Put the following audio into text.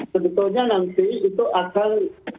tentunya nanti itu akan